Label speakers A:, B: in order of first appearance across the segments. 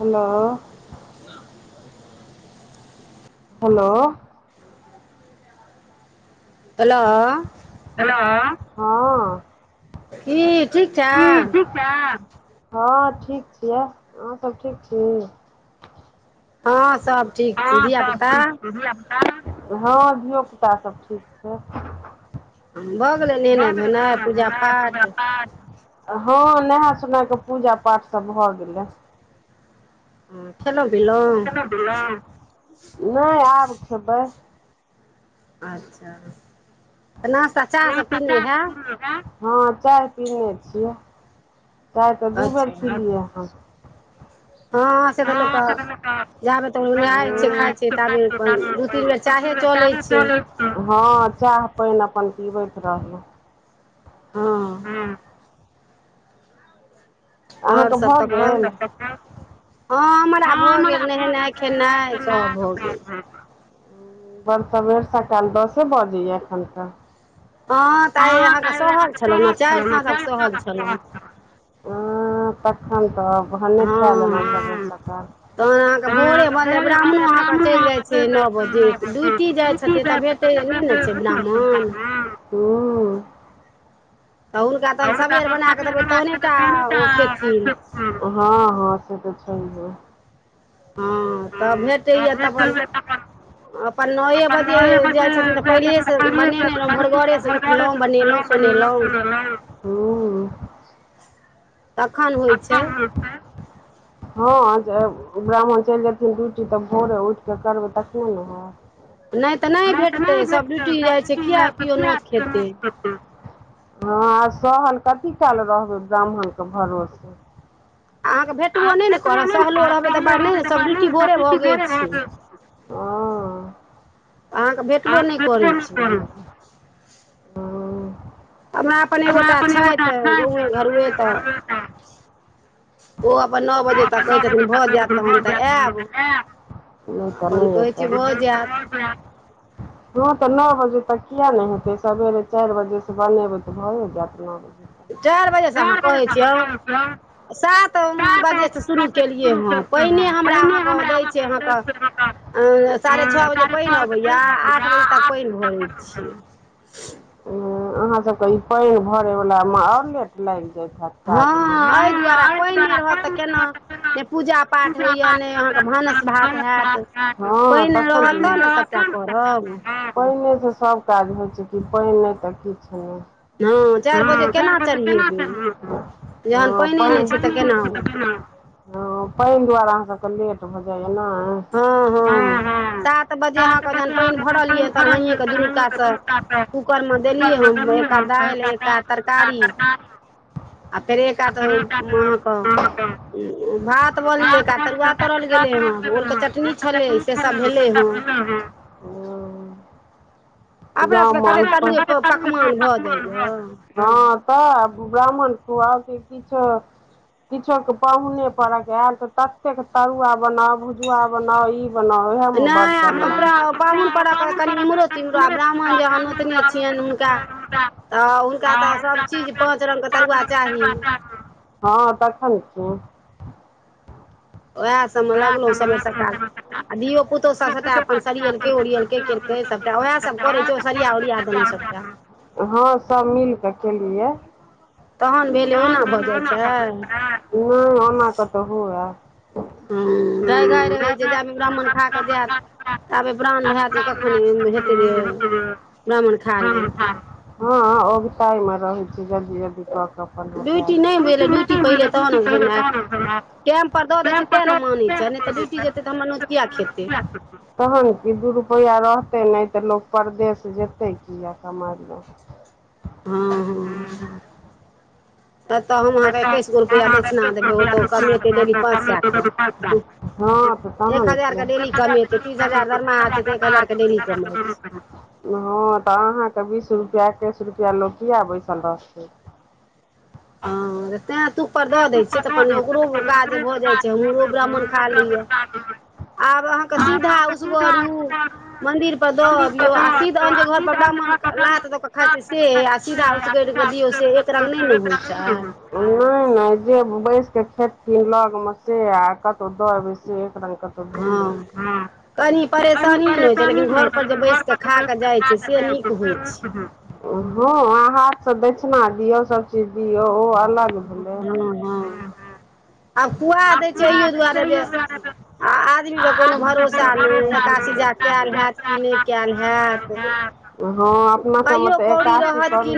A: मुना
B: ह [unintelligible]
A: hello
B: hello
A: hello ह
B: कि ठिक छैय
A: हाँ ठिक छियौ अहाँ सब ठीक छीय
B: हँ सब
A: हँ तब ठीक छै हँ धियोपुतासबठीक छै ब न ने सुध प हँ नहा सोनाए कऽ पूजा पाठ सभ भऽ गेलै
B: ह खेलो पिलो
A: नहि आब खेबै
B: अच्छा तऽ नाास्ता चाह सब पिइ
A: हँ चाय पीने छियै चाय तऽ दू बेर पीलियै हन
B: हँ
A: अहा के दलहू कार्ड कर कर [unintelligible] ह चाह पानि अपन पीबैत रहलहुँ
B: ह
A: हूँ।
B: ओर सभ तखन ह हमरा भऽ गेल नहेनाइ खेनाइ सभ भऽ गेल
A: बड़ सबेर सकाल दसे बजैया एखन तऽ
B: हँ तऽ आइ अहाँकेँ सहल छलहुँ ने चारि साँझक सहल छलहु
A: ह तखन तऽ भाने खा लेलहु
B: तहन अहाँकेँ भोरे बनलै ब्राह्मणो अहाँकेँ चलि जाइत छै नओ बजे डूटी जाइत छथि तऽ भेट नहि ने छैब नामो।
A: ह ह।
B: त हुनका तहन सबेर बन कऽ देबै तहने टा ओ खेथिन
A: ह ह से तऽ छै है ह दब तऽ अपन लऽ जे कर घर कनेल कनला
B: तखन होई छै
A: ह ब्राह्मण चलि जेथिन ड्यूटी तऽ भोरे उठ के करबै तखने ने हैं ह चै। ह सहल कथी काल रहबै ब्राह्मणके भरोसे। आबत ने तऽ बोल रह हैं
B: अहाँकेँ भेटबो नहि करै छी हम। हमरा
A: हम अपन [unintelligible] गर ह कऽ ओ तनी होत। तऽ नओ बजे तक किया नहि हेतै सेरे चारि बजे से बनेबै तरमे जातना होई छै
B: चारि बजेसँ अहाँ कहै छिय आ। सात बजेसँ शुरू केलियै ह पहि हमरा अहाँकेँ दैत छै अहाँकेँ साढ़े छओ बजे पानि अबैया आठ बजे तक पानि भरैत छियै।
A: अहाँ सभके पानि भरैवलामे ओर लेट लागि जाइत ह काजमे
B: नहि पूजा पाठ होइय नहि अहाँकेँ भानस भात होत पानि रहतह ने सभ पूजा करब
A: पानिएसँ सभ काज होइ छै कि पानि नहि तऽ किछु नहि हँ ब बना तऽ ओ [unintelligible] हँ पानि दुआरे अहाँ सभके लेट भऽ जाइया ने
B: हँ हँ सात बजे अहाँकेँ जहन पानि भरल यै तहन हाएकेऽ दुरुकास से कूकरमे देलियै हम एका दालि एका तरकारी। आ फेर एक आ तऽ महक भात बोल एक आ तरुआ तरल गेलै ह ओल क चटनी छलै से सब भेलै हँ
A: गाँव म हँ तऽ ब्राह्मण कु आउ कि किछो किछु के पाहुने पर के आयल त ततेक तरुआ बनाउ भुजुआ बनाउ ई बनाउ होय
B: नहि आ पाहुन परख कनि इम्हरो तिम्हरो आ ब्राह्मण जहन ओतने छियनि हुनका
A: [inaudible]
B: तऽ हुनका तऽ सभचीज पाँच रंग के तरुआ चाही
A: हँ तखन खून
B: उएह सभमे लगलहुँ सबेर सकाल आ धियो पुतो सब सबटा अपन सरिियलके के ओरिियलके केलके सबटा ओह सब करे जो सरिया ओरिया देलहुँ सभटा
A: हँ सब मिलकेऽ केलियै नहि ओना कऽ तो हुए
B: ह गाय घाय रहै छै जामे ब्राह्मण खा क देत तबे प्राण रहयत जे कखन हेतै जे ब्राह्मण खा ले
A: हँ ओगता मे रहैत छी जल्दी जल्दी कऽ [unintelligible]
B: टाइम परर दऽ दै छै तै ने मानै छै नहि तऽ ड्यूटी जेतै तऽरा नोत किियाक खेतै
A: तहन कि दू रुपैआ रहतै नहि तऽ लोक परदेस जेतै किियाक कमाइ लए
B: [inaudible]
A: हू ह [unintelligible] हँ तऽ तहन [unintelligible] हँ तऽ अहाँके बीस रुपैआ एकैस रुपैआ लोक किए बैसल रहतै [inaudible]
B: तैँ तूपर दऽ दै छियै तऽ ओकरो काज भऽ जाइत छै हमहरो ब्राह्मण खा लियए आब अहाँके सीधा उसगरू मंदिर पर दबियौ आ सिद्ध घर पर ब्राम्मण लात त खाइ छै से आ सीधा उसग क दियौ से एक रंग ने ने
A: नहि नहि जे बैस कऽ खेथीन लग मे से आ कत कतो दो अबे स एक रंग क तो भलै हाँ अभी परेशानीो [unintelligible] पर घर पर हँ हाथसँ दक्षिणा दियौ सभचीज दियौ ओ अलग
B: हँ हँ आब खुआ दै छै इयो दुआरे जे आ आदमीके कोनो भरोसा नहि एकासी जाा कयल हत कि नहि कयल हत
A: हँ अपना सभमे तऽ एकासी करू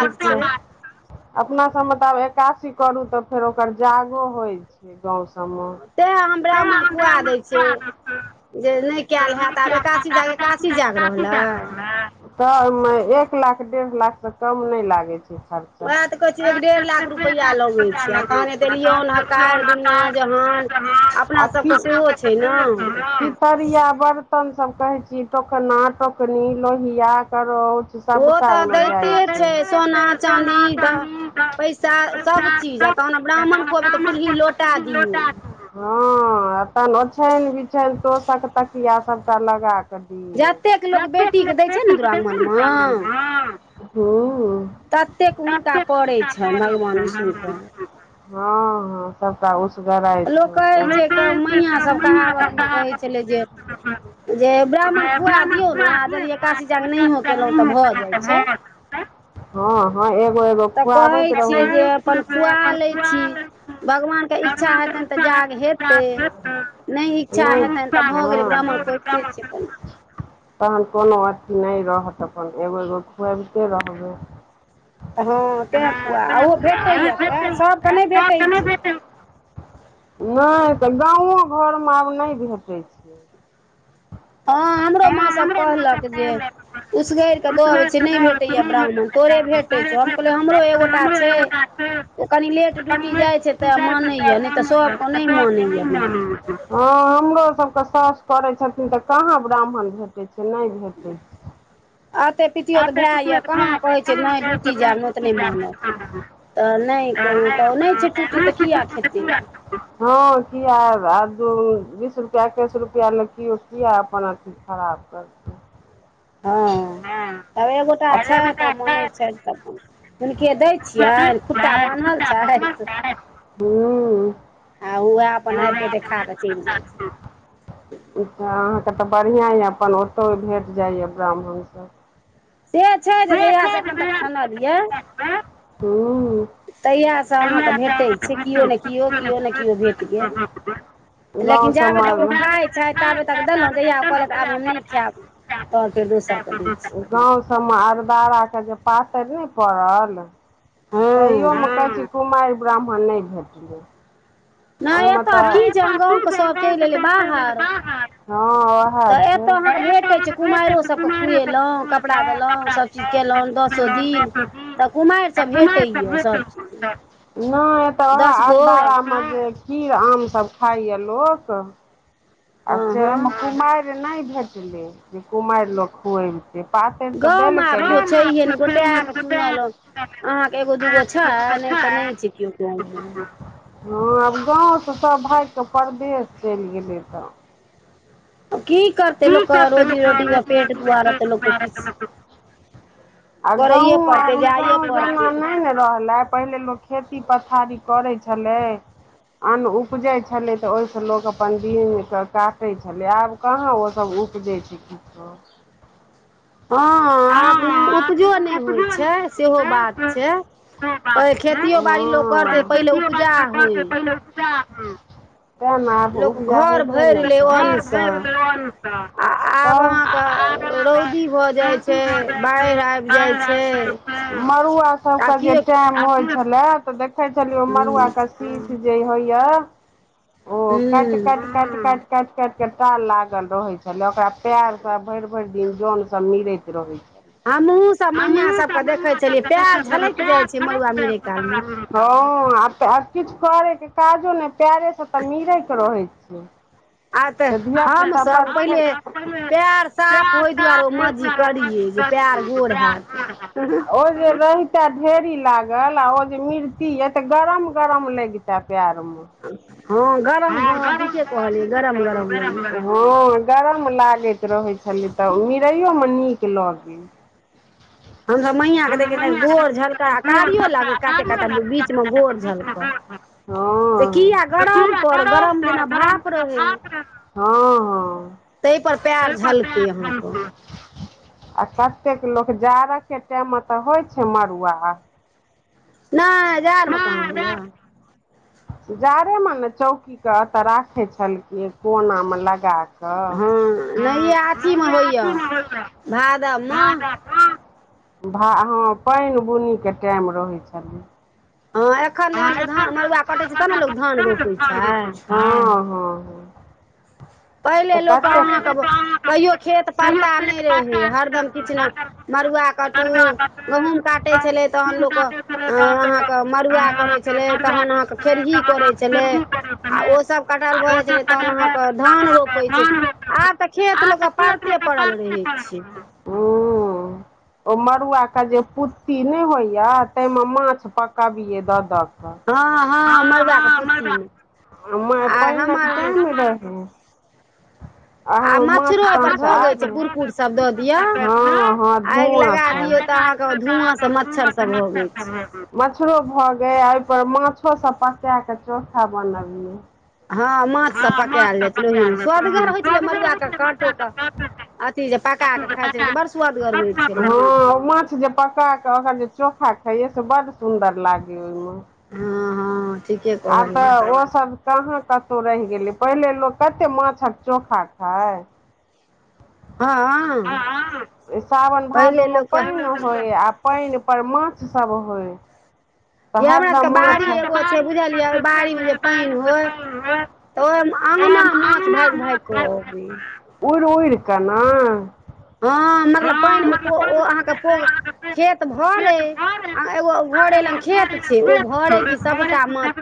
A: सबटा बात अपना सबमे तऽ आब एकासी करू तऽ फेर ओकर जागो होइ छै गाँं से
B: तैं हम ब्राह्मण खुआ दै छै जे नहि कयल हयत आब एकासी जााक एकासी जााक रहलै
A: तऽ ओहिमे एक लाख डेढ़ लाख से कम नहि लागे छै खर्चा
B: वएह तऽ कहे छै एक डेढ़ लाख रुपैआ लगे छै आ तहन एत नोत हकार दुनिया जहान अपना सभ के सेहो छै। ने
A: रिया बर्तन सभ कहै छी टोकना टोकनी लोहिया करछ। सभटा सोना चाँदी तमाश कऽ पूल्हि लोटाछै। हँ तन ओछानि बिछन तोसक तकिया सभटा लगा बेसी कऽ दइ छै न ब्राह्मण में ऊ हा हा सभ टा उसगराइ छै।
B: जे जे ब्राह्मण खुआ दियौ ने आ यदि एकासी जाग नहियो केलहुँ तऽ भऽ जाइत छै।
A: हा हा एगो एगो खुआबैत रहू
B: भगवान केँ इच्छा हेतनि तऽ जाग हेतै नहि इच्छा हेतनि तऽ भऽ गेलै ब्राह्मण के खुयेबते छी
A: तहन कोनो अथी नहि रहत अप्पन एगो एगो खुएबिते रहबै हा भट नहि तऽ गाँओ घोर में आब नहि भेटैत छै।
B: हँ हमरो माँ सभ कहलक जे उसगर दऽ अबै छिय नहि भेटैया ब्राह्मण तोरे भेटैत छौ हम कहलियै हमरो एक गोटा छै। ओ कनि लेट ड्यूटी जाइ छै। तऽ मानैया नहि तऽ सभ के नहि मानैया
A: हँ हमरो सभ के साउस करै छथिन तऽ कहाँ ब्राह्मण भेटैत छै। नहि भेटैत छै।
B: अतेक पितियो तऽ भए यए कहाँ कहैत छै। नहि ड्यूटी जाान ओ तऽ नहि मानत तऽ नहि कहू तऽ नहि छै। चुट्टी तऽ कियाक खेतै
A: हँ किया आ बीस रुपआ एकैस रुपआ ल कियो किया अप्पन अथी। खराब कर
B: हँ तब एगोटा छै। तऽ ओ मन छै। त हुनके दै छियनि खुट्टा बान्हल छै।
A: हूँ।
B: आ उएह अप्पन आब के जे खाकऽ चलि जाइत छै।
A: अहाँकेँ तऽ बढ़िआँ यए अप्पन ओतहु भेट जाइए ब्राह्मण सँ
B: छै। जहिय से एखन तक ठनलियै
A: हूँ
B: तहियास सँ अहाँकेँ भेटैत छै। केओ ने केओ केओ ने केओ भेट गेल लेकिन जाबे तक ओ खाइत छै। ताबे तक देलहुँ। जहिया कहलथि। त आब हम नहि खायब तऽ फेर दोसर के दै छियै
A: गाँम सभ अरदारा के जे पातरि नहि पड़ल तैयो में कहै छी कुमारि ब्राह्मण नहि भेटलै
B: नहि एतय की छैह गाँव के सभी चलि एले बाहर तऽ एतय अहाँके भे कटै छै। कुमारो सभ केँ खुएलहुँ कपड़ा देलहुँ सभ चीज केलहुँ दसो दिन तऽ कुमारि सभ भेटैया सभ चीज
A: नहि एतऽ वहाँ अरदारा में खीर आम सभ खाइएा लोक आ सऽ अच्छा कुमारि नहि भेटलै जे कुमारि लोक खुएबते
B: गाँव में आब केओ छैहे ने गोटा के चुनल अहाँके एगो दूगो छै। नहि तऽ नहि [unintelligible]
A: हँ आब गाँव सँ सभ भागि कऽ परदेस चलि गेलै तऽ कि करते लोग सभ के आ गां आ गांव जंगलनहि नरलै पहिले लोक। खेती पथारी करै छलै। अन्न उपजै छलै तऽ ओहिसँ लोक अपन दिन त काटै छलै आब कहाँ ओसभ उपजै छै किछो
B: हँ आब नहि उपजो नहि होइ छै सेहो बात छै खेतिियो बाड़ी लोक करतै पहिले उपजा होय
A: प्र। त हन अब उपजा हेबै नहि करै छै मरुआ। भ जाईतछै दायलआमरुआ। सबके जे टाइम होइ छले सेदेख देख छलियौ मड़ुआके शीश जे होइए ओ छलेह ओ काटि काट काट काटि काटिक के टाल लागल रहै छलै ओकरा पयर से भरि भरि दिन जन। सब मिरैत रहै।
B: हमहहुँ सब मैया सबके देखै छलियै पयर झलकि जाइ छै मड़ुआ मिरै काल मे।
A: हँ आब तऽ आ किछु कर काजो नहि। पैरे से तऽ मीरै के रहै छियै।
B: आ ते हमस पहिले पयर साफ होय दुआरे मज। करियै जे पैर गोर हैत।
A: हो गेलै। ढेरी लागल आ ओ जे मिर्ति य ते गरम गरम लगते पेर में।
B: हँ गरम हँ ठीके कहलियै गरम गरम लागय
A: हँ गरम लागैत रहैत छलै तऽ मिरइयो मे नीक लग गेल।
B: [inaudible] हमसभ मैयके देखियै गोर झलक आ कारियो लागे काते काते बीचमे गोर झलक। तऽ किया गरम पर गरम जेना भाप रहै। ताहि पर पयर झलकै यहा पर।
A: आ कतेक लोक जाड़ के टाइम मे तऽ होइ छै मड़ुआ।
B: नहि जाड़मे कहाँ होइए।
A: जाड़ेमे ने चौकीेतऽ राखै छलखिन कोनामे लगा कऽ। हँ ह। आसिन मेहोयत रहे भा दो पानि बुनीके टाइम रहै छलै।
B: हँ एखन जहन मरुआ। कटै छैतहन। ने धान रोपै छै। ह पहिले लोकके अहाँके कहिो खेत परता नहि रहै हरदम किछु ने। मड़ुआ काटू गेहुं काटे छले तहन लोक अहाँ के म। तरुआ करै छलै तहन अहाँके खेरही करै छलै। आ ओ सब कटाल भऽ जाइत छै ने तहन अहाँके। धान रोपे छै आब तऽ खेत लोक के परते पड़ल रहे छै।
A: हू। ओ मड़ुआ के जे पुती नहि होइया ताहिमे माछ पकबिय। द द। ह ह पानिरहो
B: आ मच्छरो ओहिप भगै छै कुरकुर सभ दऽ दियौ आगि लगा दियौ त। धुआं से मच्छर सब भगै छै।
A: मचछरो भ गय उहिपर माछो सब पका क चोखा बनबिये।
B: हँ माछ सभ पकायल जाइत छलै ओहि में सदगर होइत छलै मरुआ के काँटो के अथी जे पका कऽ खाय छै। तऽ बड़ड सुवदगर होइ छै।
A: हँ माछ जे पका कऽ ओकर जे चोखा खाइया से बड्ड सुन्दर लागैए ओहि में
B: हँ हु
A: आब तऽ ओ सभ कहाँ कतहु रहि गेलै पहिले लोको कते माछकऽ चोखा खाए। सावन भादो में पानि होय आ पानि पर माछ सभ होय।
B: य हमरा सभ के बाड़ी एगो छै। बुझलियै बाड़ी में जे पानि होय तऽ ओहि में आङना माछ भागि भागि कऽबी।
A: उर ऊरक नेा
B: हँ मतलब पानि ओ अहाँ के पोग खेत भरै आ एगो भरे लग खेत छै। ओ भरै कि सभटा माछ